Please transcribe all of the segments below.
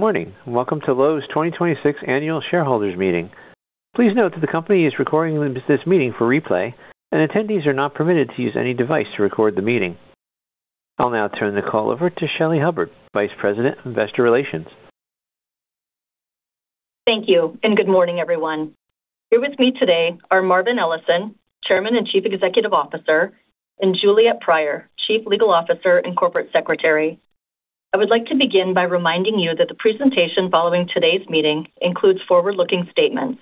Good morning. Welcome to Lowe's 2026 Annual Shareholders Meeting. Please note that the company is recording this meeting for replay, and attendees are not permitted to use any device to record the meeting. I'll now turn the call over to Shelly Hubbard, Vice President of Investor Relations. Thank you and good morning, everyone. Here with me today are Marvin Ellison, Chairman and Chief Executive Officer, and Juliette Pryor, Chief Legal Officer and Corporate Secretary. I would like to begin by reminding you that the presentation following today's meeting includes forward-looking statements.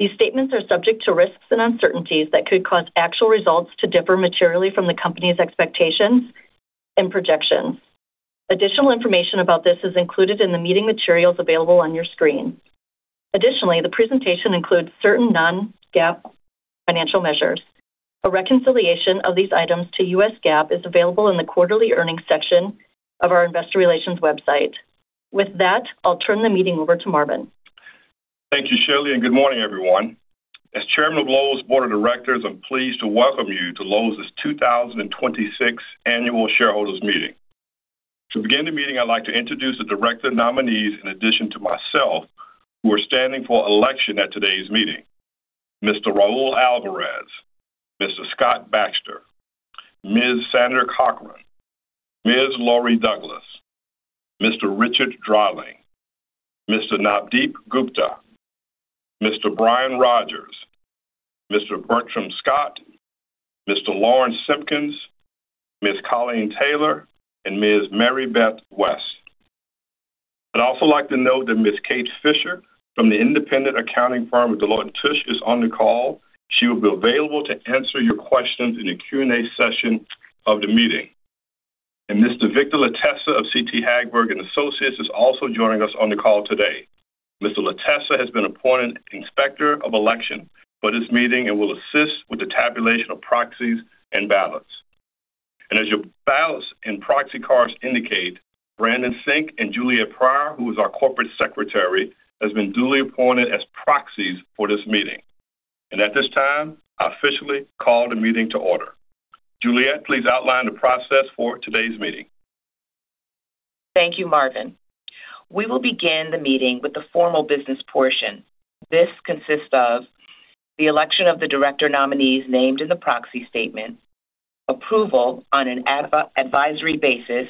These statements are subject to risks and uncertainties that could cause actual results to differ materially from the company's expectations and projections. Additional information about this is included in the meeting materials available on your screen. Additionally, the presentation includes certain non-GAAP financial measures. A reconciliation of these items to U.S. GAAP is available in the Quarterly Earnings section of our investor relations website. With that, I'll turn the meeting over to Marvin. Thank you, Shelly. Good morning, everyone. As Chairman of Lowe's Board of Directors, I'm pleased to welcome you to Lowe's 2026 Annual Shareholders Meeting. To begin the meeting, I'd like to introduce the director nominees in addition to myself who are standing for election at today's meeting. Mr. Raul Alvarez, Mr. Scott Baxter, Ms. Sandra Cochran, Ms. Laurie Douglas, Mr. Richard Dreiling, Mr. Navdeep Gupta, Mr. Brian Rogers, Mr. Bertram Scott, Mr. Lawrence Simpkins, Ms. Colleen Taylor, and Ms. Mary Beth West. I'd also like to note that Ms. Kate Fisher from the independent accounting firm of Deloitte & Touche is on the call. She will be available to answer your questions in the Q&A session of the meeting. Mr. Victor Latessa of C.T. Hagberg & Associates is also joining us on the call today. Mr. Latessa has been appointed Inspector of Election for this meeting and will assist with the tabulation of proxies and ballots. As your ballots and proxy cards indicate, Brandon Sink and Juliette Pryor, who is our Corporate Secretary, have been duly appointed as proxies for this meeting. At this time, I officially call the meeting to order. Juliette, please outline the process for today's meeting. Thank you, Marvin. We will begin the meeting with the formal business portion. This consists of the election of the director nominees named in the proxy statement, approval on an advisory basis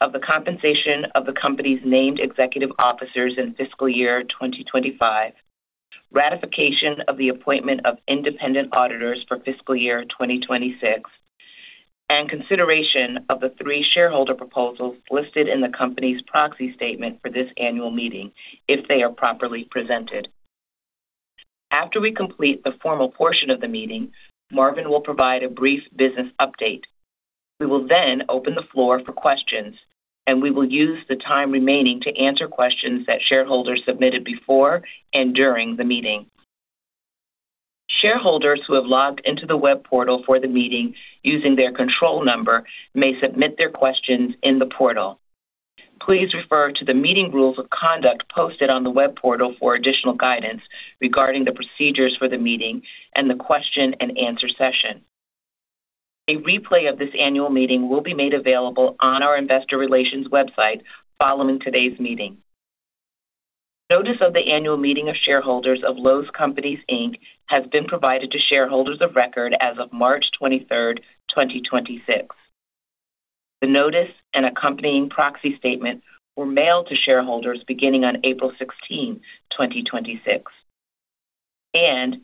of the compensation of the company's named executive officers in fiscal year 2025, ratification of the appointment of independent auditors for fiscal year 2026, and consideration of the three shareholder proposals listed in the company's proxy statement for this annual meeting, if they are properly presented. After we complete the formal portion of the meeting, Marvin will provide a brief business update. We will then open the floor for questions, and we will use the time remaining to answer questions that shareholders submitted before and during the meeting. Shareholders who have logged into the web portal for the meeting using their control number may submit their questions in the portal. Please refer to the meeting rules of conduct posted on the web portal for additional guidance regarding the procedures for the meeting and the question-and-answer session. A replay of this annual meeting will be made available on our investor relations website following today's meeting. Notice of the Annual Meeting of Shareholders of Lowe's Companies, Inc has been provided to shareholders of record as of March 23rd, 2026. The notice and accompanying proxy statement were mailed to shareholders beginning on April 16, 2026. As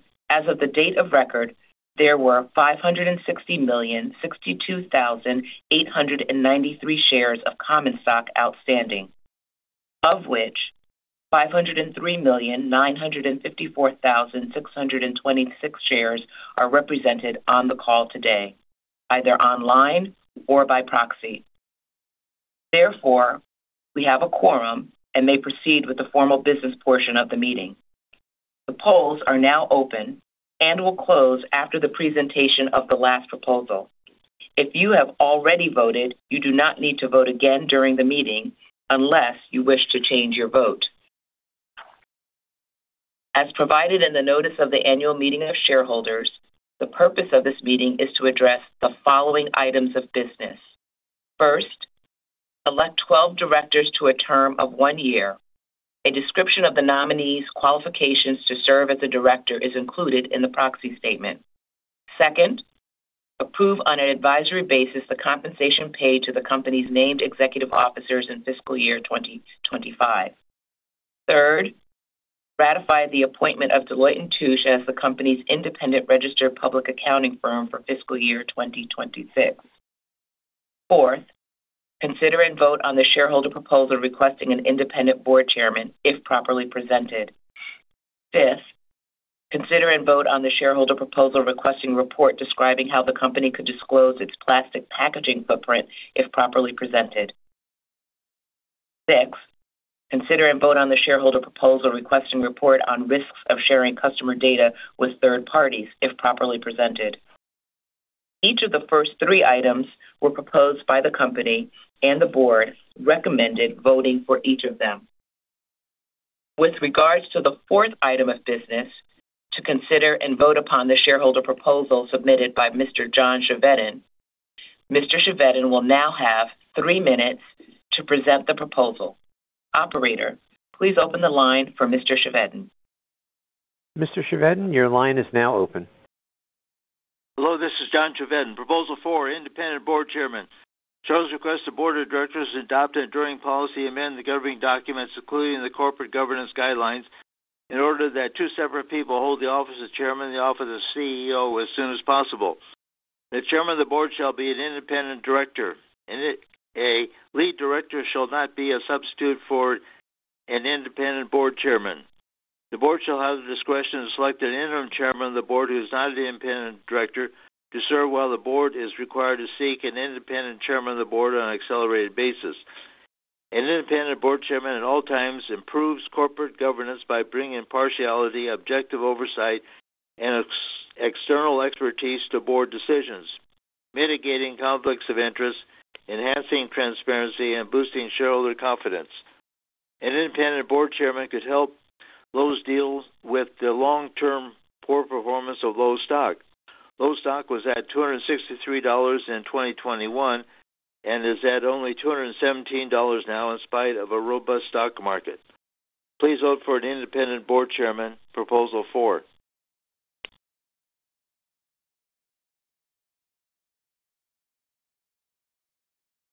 of the date of record, there were 560,062,893 shares of common stock outstanding, of which 503,954,626 shares are represented on the call today, either online or by proxy. Therefore, we have a quorum and may proceed with the formal business portion of the meeting. The polls are now open and will close after the presentation of the last proposal. If you have already voted, you do not need to vote again during the meeting unless you wish to change your vote. As provided in the Notice of the Annual Meeting of Shareholders, the purpose of this meeting is to address the following items of business. First, elect 12 directors to a term of one year. A description of the nominees' qualifications to serve as a director is included in the proxy statement. Second, approve on an advisory basis the compensation paid to the company's named executive officers in fiscal year 2025. Third, ratify the appointment of Deloitte & Touche as the company's independent registered public accounting firm for fiscal year 2026. Fourth, consider and vote on the shareholder proposal requesting an independent board chairman, if properly presented. Fifth, consider and vote on the shareholder proposal requesting report describing how the company could disclose its plastic packaging footprint, if properly presented. Sixth, consider and vote on the shareholder proposal requesting report on risks of sharing customer data with third parties, if properly presented. Each of the first three items were proposed by the company, and the board recommended voting for each of them. With regards to the fourth item of business, to consider and vote upon the shareholder proposal submitted by Mr. John Chevedden. Mr. Chevedden will now have three minutes to present the proposal. Operator, please open the line for Mr. Chevedden. Mr. Chevedden, your line is now open. Hello, this is John Chevedden. Proposal four, independent board chairman. Shares request the Board of Directors adopt an enduring policy, amend the governing documents, including the corporate governance guidelines, in order that two separate people hold the Office of Chairman and the Office of CEO as soon as possible. The chairman of the board shall be an independent director; a lead director shall not be a substitute for an independent board chairman. The board shall have the discretion to select an interim chairman of the board, who is not an independent director, to serve while the board is required to seek an independent chairman of the board on an accelerated basis. An independent board chairman at all times improves corporate governance by bringing impartiality, objective oversight, and external expertise to board decisions, mitigating conflicts of interest, enhancing transparency, and boosting shareholder confidence. An independent board chairman could help Lowe's deals with the long-term poor performance of Lowe's stock. Lowe's stock was at $263 in 2021 and is at only $217 now in spite of a robust stock market. Please vote for an independent board chairman, proposal four.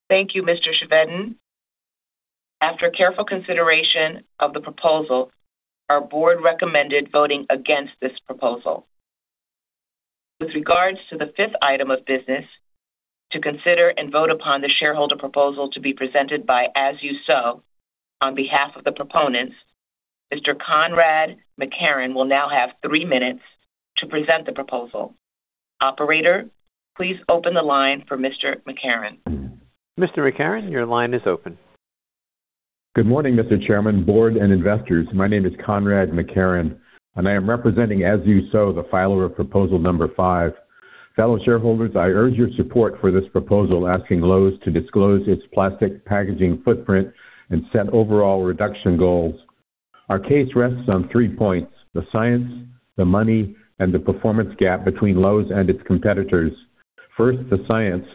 Thank you, Mr. Chevedden. After careful consideration of the proposal, our board recommended voting against this proposal. With regards to the fifth item of business, to consider and vote upon the shareholder proposal to be presented by As You Sow. On behalf of the proponents, Mr. Conrad MacKerron will now have three minutes to present the proposal. Operator, please open the line for Mr. MacKerron. Mr. MacKerron, your line is open. Good morning, Mr. Chairman, board, and investors. My name is Conrad MacKerron, and I am representing As You Sow, the filer of proposal number five. Fellow shareholders, I urge your support for this proposal asking Lowe's to disclose its plastic packaging footprint and set overall reduction goals. Our case rests on three points: the science, the money, and the performance gap between Lowe's and its competitors. First, the science.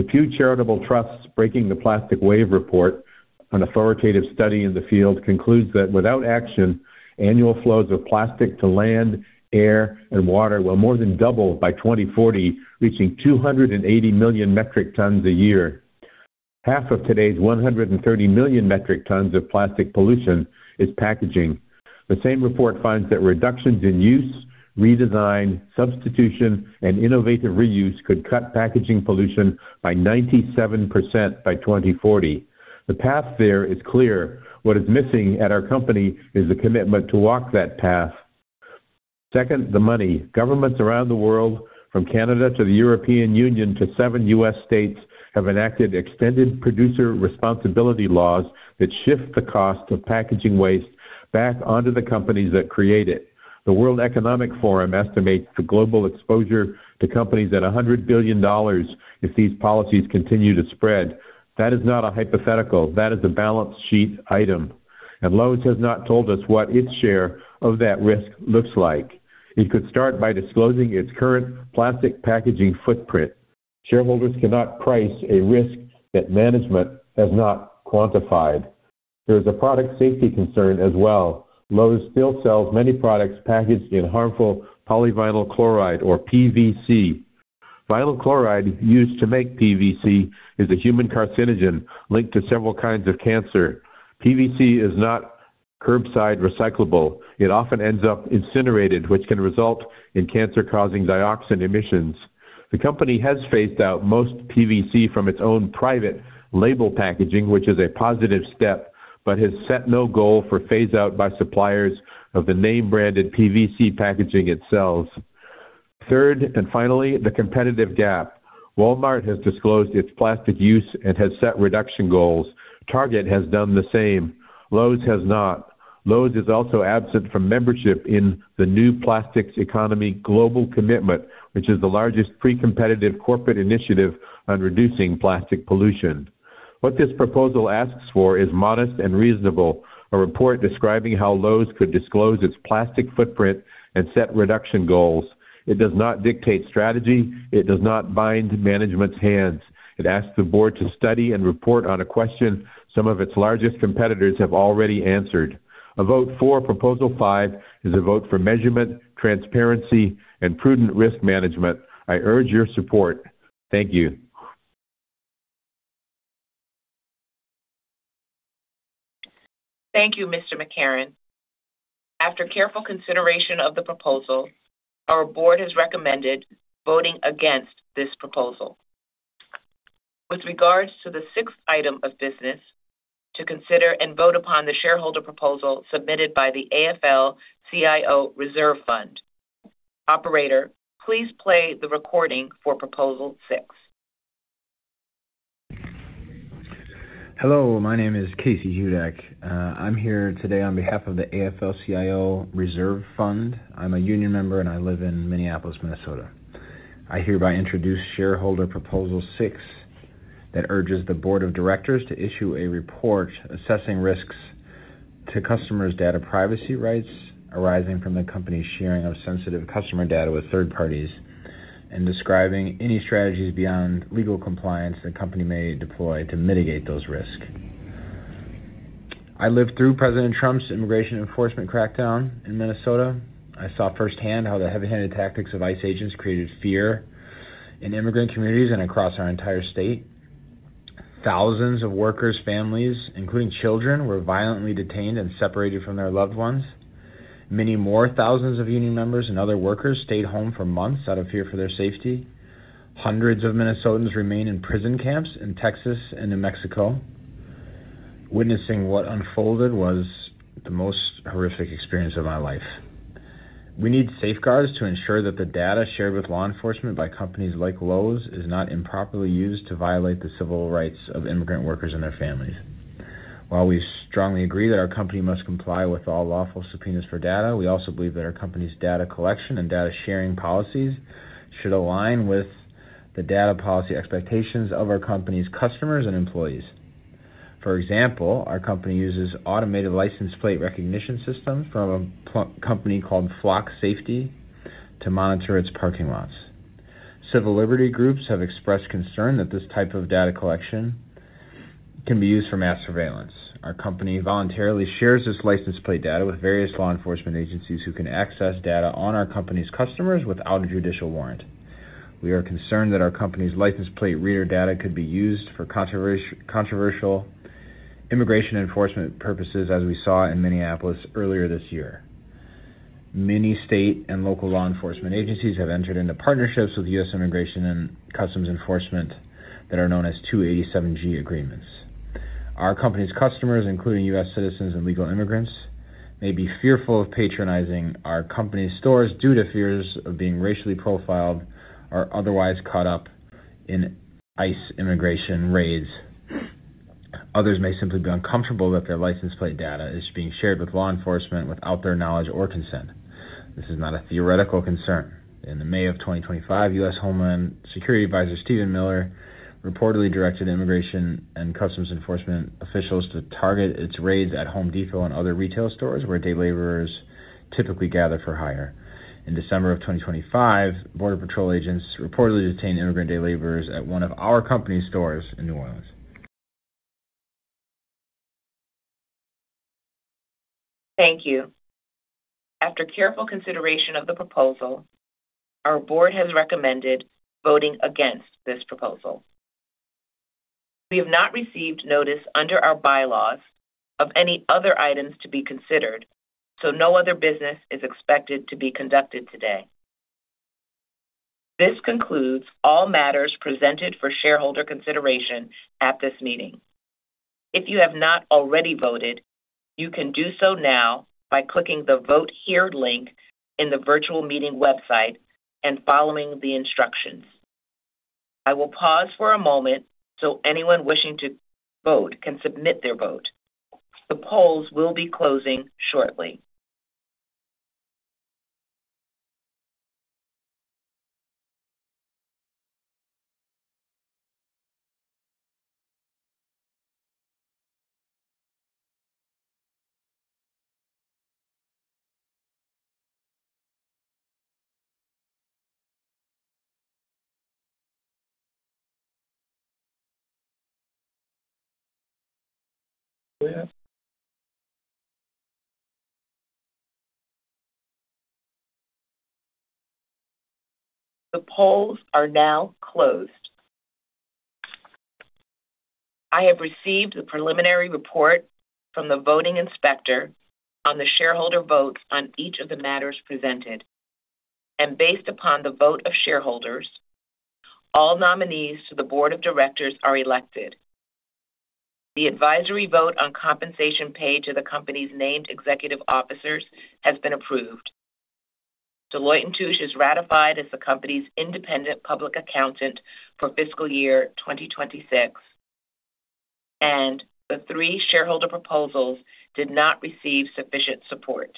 The Pew Charitable Trusts Breaking the Plastic Wave report, an authoritative study in the field, concludes that without action, annual flows of plastic to land, air, and water will more than double by 2040, reaching 280 million metric tons a year. Half of today's 130 million metric tons of plastic pollution is packaging. The same report finds that reductions in use, redesign, substitution, and innovative reuse could cut packaging pollution by 97% by 2040. The path there is clear. What is missing at our company is the commitment to walk that path. Second, the money. Governments around the world, from Canada to the European Union to seven U.S. states, have enacted extended producer responsibility laws that shift the cost of packaging waste back onto the companies that create it. The World Economic Forum estimates the global exposure to companies at $100 billion if these policies continue to spread. That is not a hypothetical. That is a balance sheet item, and Lowe's has not told us what its share of that risk looks like. It could start by disclosing its current plastic packaging footprint. Shareholders cannot price a risk that management has not quantified. There is a product safety concern as well. Lowe's still sells many products packaged in harmful polyvinyl chloride or PVC. Vinyl chloride used to make PVC is a human carcinogen linked to several kinds of cancer. PVC is not curbside recyclable. It often ends up incinerated, which can result in cancer-causing dioxin emissions. The company has phased out most PVC from its own private label packaging, which is a positive step, but has set no goal for phase out by suppliers of the name-branded PVC packaging it sells. Third and finally, the competitive gap. Walmart has disclosed its plastic use and has set reduction goals. Target has done the same. Lowe's has not. Lowe's is also absent from membership in The New Plastics Economy Global Commitment, which is the largest pre-competitive corporate initiative on reducing plastic pollution. What this proposal asks for is modest and reasonable, a report describing how Lowe's could disclose its plastic footprint and set reduction goals. It does not dictate strategy. It does not bind management's hands. It asks the board to study and report on a question some of its largest competitors have already answered. A vote for proposal five is a vote for measurement, transparency, and prudent risk management. I urge your support. Thank you. Thank you, Mr. MacKerron. After careful consideration of the proposal, our board has recommended voting against this proposal. With regards to the sixth item of business, to consider and vote upon the shareholder proposal submitted by the AFL-CIO Reserve Fund. Operator, please play the recording for proposal six. Hello, my name is Casey Hudak. I am here today on behalf of the AFL-CIO Reserve Fund. I am a union member, and I live in Minneapolis, Minnesota. I hereby introduce shareholder proposal six that urges the Board of Directors to issue a report assessing risks to customers' data privacy rights arising from the company's sharing of sensitive customer data with third parties, and describing any strategies beyond legal compliance the company may deploy to mitigate those risks. I lived through President Trump's immigration enforcement crackdown in Minnesota. I saw firsthand how the heavy-handed tactics of ICE agents created fear in immigrant communities and across our entire state. Thousands of workers' families, including children, were violently detained and separated from their loved ones. Many more thousands of union members and other workers stayed home for months out of fear for their safety. Hundreds of Minnesotans remain in prison camps in Texas and New Mexico. Witnessing what unfolded was the most horrific experience of my life. We need safeguards to ensure that the data shared with law enforcement by companies like Lowe's is not improperly used to violate the civil rights of immigrant workers and their families. While we strongly agree that our company must comply with all lawful subpoenas for data, we also believe that our company's data collection and data sharing policies should align with the data policy expectations of our company's customers and employees. For example, our company uses automated license plate recognition system from a company called Flock Safety to monitor its parking lots. Civil liberty groups have expressed concern that this type of data collection can be used for mass surveillance. Our company voluntarily shares this license plate data with various law enforcement agencies who can access data on our company's customers without a judicial warrant. We are concerned that our company's license plate reader data could be used for controversial immigration enforcement purposes, as we saw in Minneapolis earlier this year. Many state and local law enforcement agencies have entered into partnerships with U.S. Immigration and Customs Enforcement that are known as 287(g) agreements. Our company's customers, including U.S. citizens and legal immigrants, may be fearful of patronizing our company's stores due to fears of being racially profiled or otherwise caught up in ICE immigration raids. Others may simply be uncomfortable that their license plate data is being shared with law enforcement without their knowledge or consent. This is not a theoretical concern. In the May of 2025, U.S. Homeland Security Advisor Stephen Miller reportedly directed U.S. Immigration and Customs Enforcement officials to target its raids at The Home Depot and other retail stores where day laborers typically gather for hire. In December of 2025, border patrol agents reportedly detained immigrant day laborers at one of our company stores in New Orleans. Thank you. After careful consideration of the proposal, our board has recommended voting against this proposal. We have not received notice under our bylaws of any other items to be considered, so no other business is expected to be conducted today. This concludes all matters presented for shareholder consideration at this meeting. If you have not already voted, you can do so now by clicking the Vote Here link in the virtual meeting website and following the instructions. I will pause for a moment so anyone wishing to vote can submit their vote. The polls will be closing shortly. The polls are now closed. I have received the preliminary report from the voting inspector on the shareholder votes on each of the matters presented. Based upon the vote of shareholders, all nominees to the Board of Directors are elected. The advisory vote on compensation paid to the company's named executive officers has been approved. Deloitte & Touche is ratified as the company's independent public accountant for fiscal year 2026, and the three shareholder proposals did not receive sufficient support.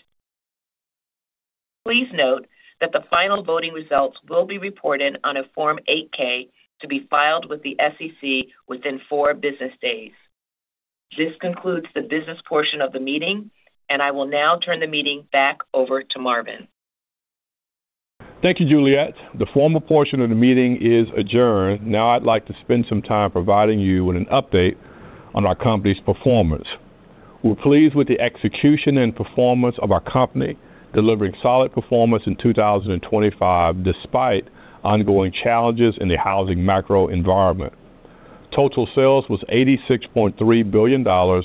Please note that the final voting results will be reported on a Form 8-K to be filed with the SEC within four business days. This concludes the business portion of the meeting, and I will now turn the meeting back over to Marvin. Thank you, Juliette. The formal portion of the meeting is adjourned. Now, I'd like to spend some time providing you with an update on our company's performance. We're pleased with the execution and performance of our company, delivering solid performance in 2025 despite ongoing challenges in the housing macro environment. Total sales was $86.3 billion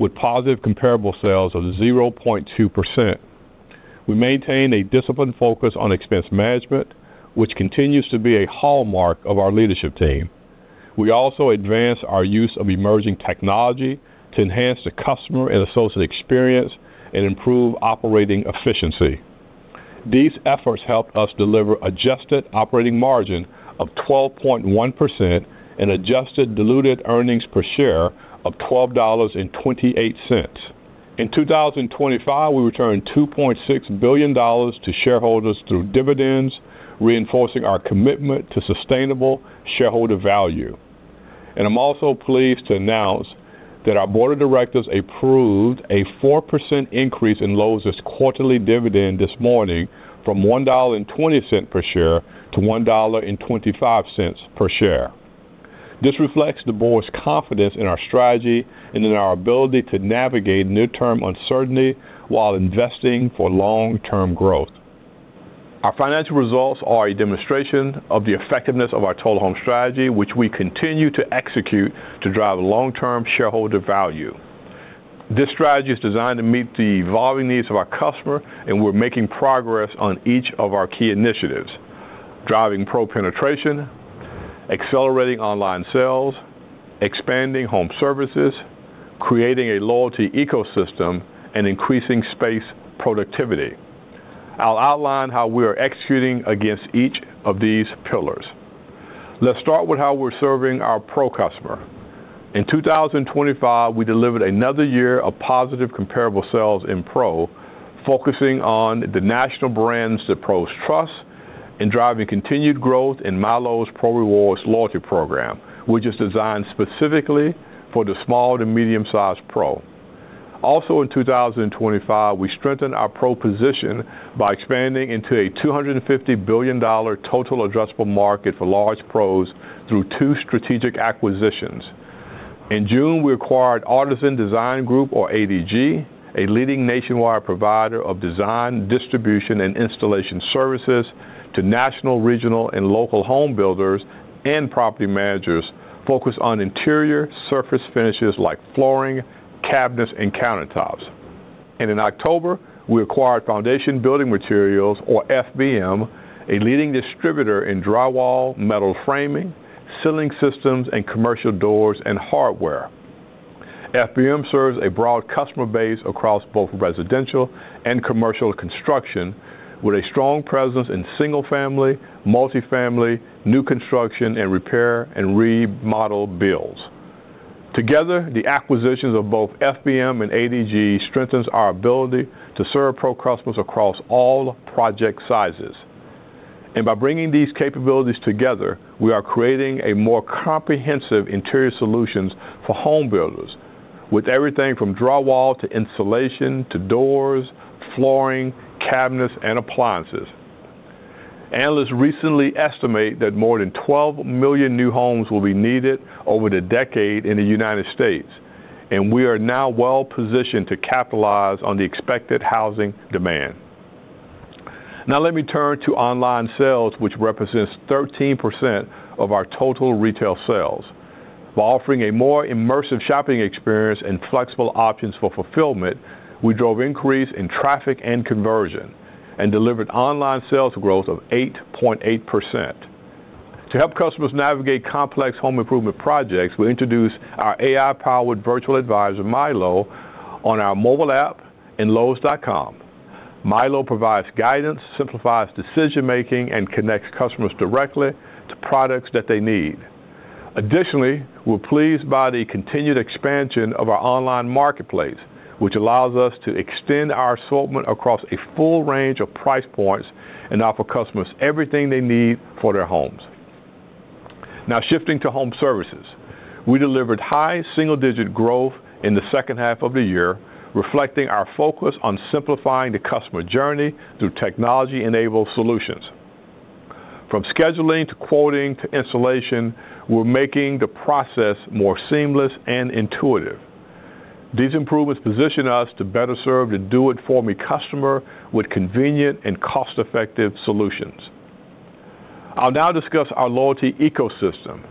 with positive comparable sales of 0.2%. We maintain a disciplined focus on expense management, which continues to be a hallmark of our leadership team. We also advance our use of emerging technology to enhance the customer and associate experience and improve operating efficiency. These efforts helped us deliver adjusted operating margin of 12.1% and adjusted diluted earnings per share of $12.28. In 2025, we returned $2.6 billion to shareholders through dividends, reinforcing our commitment to sustainable shareholder value. I'm also pleased to announce that our Board of Directors approved a 4% increase in Lowe's quarterly dividend this morning from $1.20 per share to $1.25 per share. This reflects the board's confidence in our strategy and in our ability to navigate near-term uncertainty while investing for long-term growth. Our financial results are a demonstration of the effectiveness of our Total Home Strategy, which we continue to execute to drive long-term shareholder value. This strategy is designed to meet the evolving needs of our customer, and we're making progress on each of our key initiatives: driving Pro penetration, accelerating online sales, expanding home services, creating a loyalty ecosystem, and increasing space productivity. I'll outline how we are executing against each of these pillars. Let's start with how we're serving our Pro customer. In 2025, we delivered another year of positive comparable sales in Pro, focusing on the national brands that Pros trust and driving continued growth in MyLowe's Pro Rewards loyalty program, which is designed specifically for the small to medium-sized Pro. Also in 2025, we strengthened our Pro position by expanding into a $250 billion total addressable market for large Pros through two strategic acquisitions. In June, we acquired Artisan Design Group, or ADG, a leading nationwide provider of design, distribution, and installation services to national, regional, and local home builders and property managers focused on interior surface finishes like flooring, cabinets, and countertops. In October, we acquired Foundation Building Materials, or FBM, a leading distributor in drywall, metal framing, ceiling systems, and commercial doors and hardware FBM serves a broad customer base across both residential and commercial construction, with a strong presence in single-family, multi-family, new construction, and repair and remodel builds. Together, the acquisitions of both FBM and ADG strengthens our ability to serve Pro customers across all project sizes. By bringing these capabilities together, we are creating a more comprehensive interior solutions for home builders, with everything from drywall to insulation, to doors, flooring, cabinets, and appliances. Analysts recently estimate that more than 12 million new homes will be needed over the decade in the United States, and we are now well-positioned to capitalize on the expected housing demand. Now, let me turn to online sales, which represents 13% of our total retail sales. By offering a more immersive shopping experience and flexible options for fulfillment, we drove increase in traffic and conversion and delivered online sales growth of 8.8%. To help customers navigate complex home improvement projects, we introduced our AI-powered virtual advisor, Mylow, on our mobile app and lowes.com. Mylow provides guidance, simplifies decision-making, and connects customers directly to products that they need. Additionally, we're pleased by the continued expansion of our online marketplace, which allows us to extend our assortment across a full range of price points and offer customers everything they need for their homes. Now, shifting to home services. We delivered high single-digit growth in the second half of the year, reflecting our focus on simplifying the customer journey through technology-enabled solutions. From scheduling to quoting to installation, we're making the process more seamless and intuitive. These improvements position us to better serve the do-it-for-me customer with convenient and cost-effective solutions. I'll now discuss our loyalty ecosystem.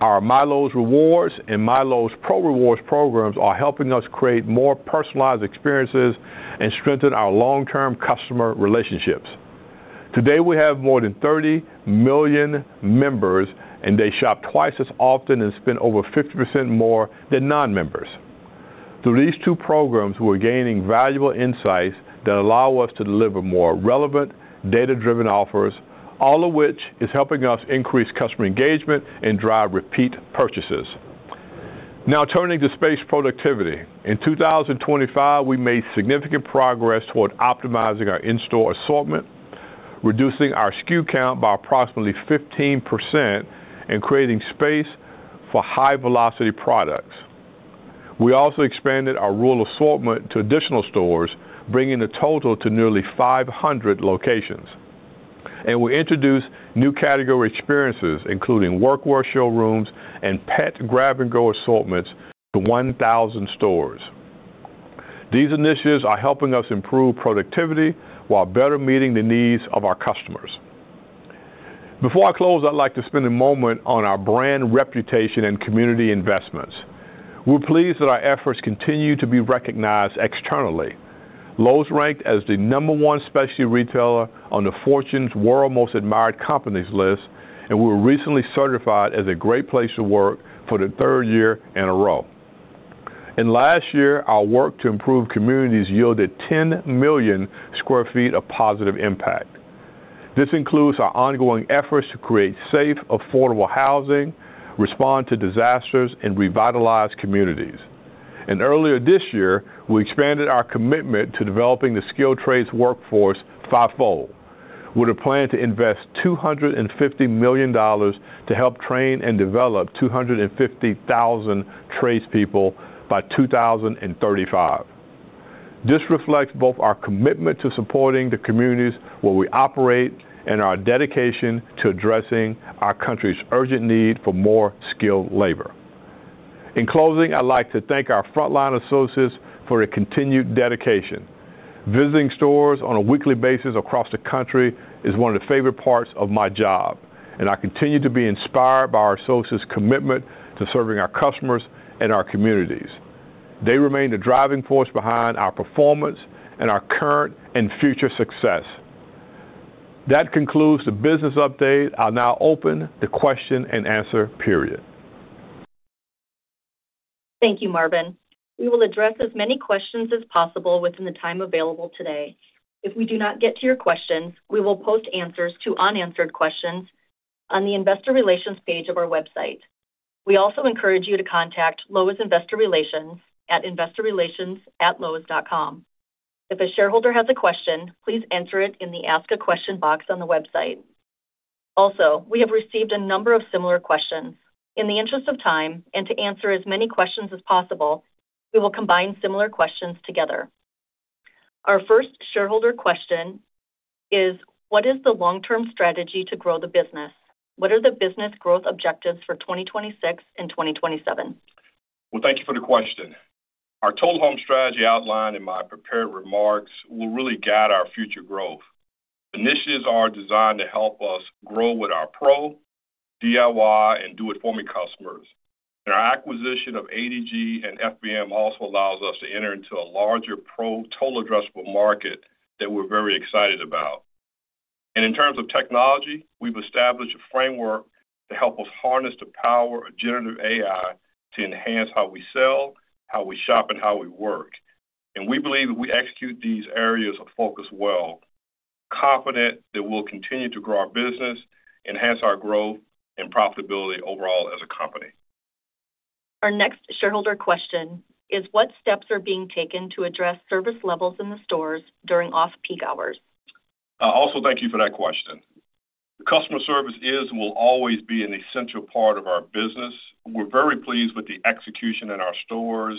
Our MyLowe's Rewards and MyLowe's Pro Rewards programs are helping us create more personalized experiences and strengthen our long-term customer relationships. Today, we have more than 30 million members, and they shop twice as often and spend over 50% more than non-members. Through these two programs, we're gaining valuable insights that allow us to deliver more relevant, data-driven offers, all of which is helping us increase customer engagement and drive repeat purchases. Now, turning to space productivity. In 2025, we made significant progress toward optimizing our in-store assortment, reducing our SKU count by approximately 15% and creating space for high-velocity products. We also expanded our rural assortment to additional stores, bringing the total to nearly 500 locations. We introduced new category experiences, including workwear showrooms and pet grab-and-go assortments to 1,000 stores. These initiatives are helping us improve productivity while better meeting the needs of our customers. Before I close, I'd like to spend a moment on our brand reputation and community investments. We're pleased that our efforts continue to be recognized externally. Lowe's ranked as the number one specialty retailer on the Fortune's World's Most Admired Companies list, and we were recently certified as a great place to work for the third year in a row. Last year, our work to improve communities yielded 10 million sq ft of positive impact. This includes our ongoing efforts to create safe, affordable housing, respond to disasters, and revitalize communities. Earlier this year, we expanded our commitment to developing the skilled trades workforce fivefold with a plan to invest $250 million to help train and develop 250,000 tradespeople by 2035. This reflects both our commitment to supporting the communities where we operate and our dedication to addressing our country's urgent need for more skilled labor. In closing, I'd like to thank our frontline associates for their continued dedication. Visiting stores on a weekly basis across the country is one of the favorite parts of my job, and I continue to be inspired by our associates' commitment to serving our customers and our communities. They remain the driving force behind our performance and our current and future success. That concludes the business update. I'll now open the question-and-answer period. Thank you, Marvin. We will address as many questions as possible within the time available today. If we do not get to your questions, we will post answers to unanswered questions on the investor relations page of our website. We also encourage you to contact Lowe's Investor Relations at investorrelations@lowes.com. If a shareholder has a question, please enter it in the Ask a Question box on the website. Also, we have received a number of similar questions. In the interest of time and to answer as many questions as possible, we will combine similar questions together. Our first shareholder question is: What is the long-term strategy to grow the business? What are the business growth objectives for 2026 and 2027? Well, thank you for the question. Our Total Home Strategy outlined in my prepared remarks will really guide our future growth. Initiatives are designed to help us grow with our Pro, DIY, and do-it-for-me customers. Our acquisition of ADG and FBM also allows us to enter into a larger Pro total addressable market that we're very excited about. In terms of technology, we've established a framework to help us harness the power of generative AI to enhance how we sell, how we shop, and how we work. We believe if we execute these areas of focus well, confident that we'll continue to grow our business, enhance our growth, and profitability overall as a company. Our next shareholder question is: What steps are being taken to address service levels in the stores during off-peak hours? Thank you for that question. Customer service is and will always be an essential part of our business. We're very pleased with the execution in our stores,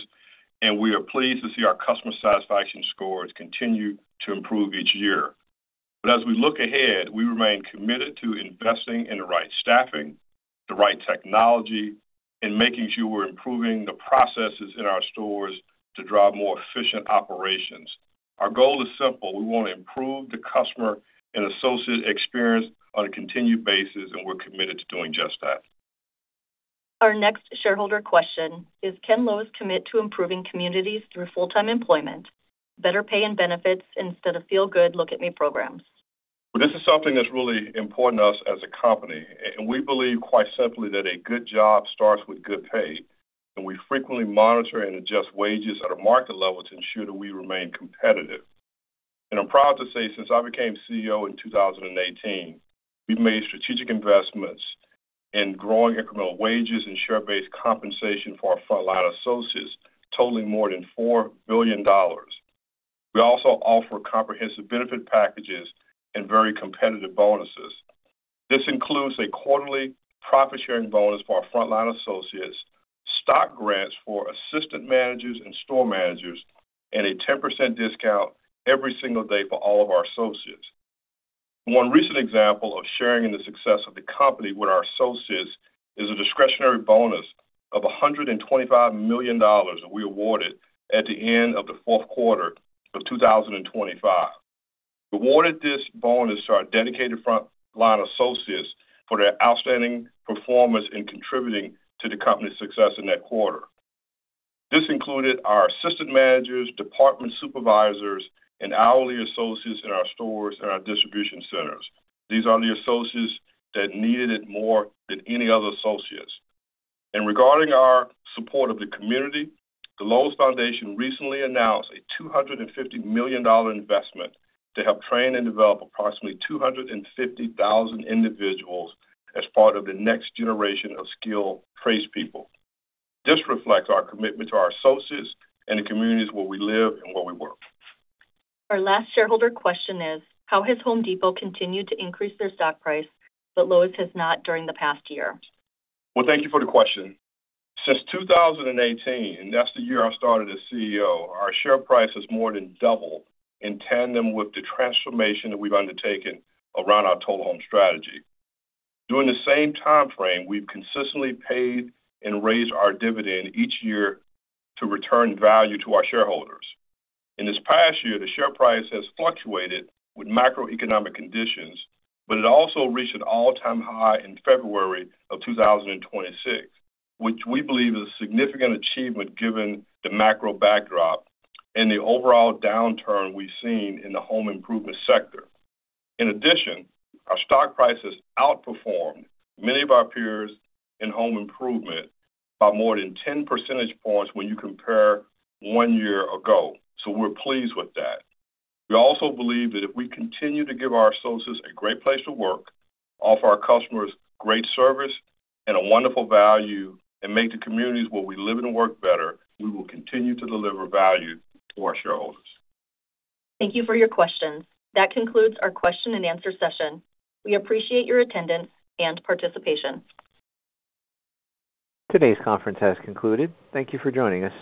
and we are pleased to see our customer satisfaction scores continue to improve each year. As we look ahead, we remain committed to investing in the right staffing, the right technology, and making sure we're improving the processes in our stores to drive more efficient operations. Our goal is simple. We want to improve the customer and associate experience on a continued basis, and we're committed to doing just that. Our next shareholder question is: Can Lowe's commit to improving communities through full-time employment, better pay and benefits instead of feel-good look at me programs? This is something that's really important to us as a company. We believe quite simply that a good job starts with good pay. We frequently monitor and adjust wages at a market level to ensure that we remain competitive. I'm proud to say, since I became CEO in 2018, we've made strategic investments in growing incremental wages and share-based compensation for our frontline associates totaling more than $4 billion. We also offer comprehensive benefit packages and very competitive bonuses. This includes a quarterly profit-sharing bonus for our frontline associates, stock grants for assistant managers and store managers, and a 10% discount every single day for all of our associates. One recent example of sharing in the success of the company with our associates is a discretionary bonus of $125 million that we awarded at the end of the fourth quarter of 2025. We awarded this bonus to our dedicated frontline associates for their outstanding performance in contributing to the company's success in that quarter. This included our assistant managers, department supervisors, and hourly associates in our stores and our distribution centers. These are the associates that needed it more than any other associates. Regarding our support of the community, the Lowe's Foundation recently announced a $250 million investment to help train and develop approximately 250,000 individuals as part of the next generation of skilled tradespeople. This reflects our commitment to our associates and the communities where we live and where we work. Our last shareholder question is: How has The Home Depot continued to increase their stock price, but Lowe's has not during the past year? Well, thank you for the question. Since 2018, that's the year I started as CEO, our share price has more than doubled in tandem with the transformation that we've undertaken around our Total Home Strategy. During the same time frame, we've consistently paid and raised our dividend each year to return value to our shareholders. In this past year, the share price has fluctuated with macroeconomic conditions, but it also reached an all-time high in February of 2026, which we believe is a significant achievement given the macro backdrop and the overall downturn we've seen in the home improvement sector. In addition, our stock prices outperformed many of our peers in home improvement by more than 10 percentage points when you compare one year ago. We're pleased with that. We also believe that if we continue to give our associates a great place to work, offer our customers great service and a wonderful value, and make the communities where we live and work better, we will continue to deliver value to our shareholders. Thank you for your questions. That concludes our question-and-answer session. We appreciate your attendance and participation. Today's conference has concluded. Thank you for joining us.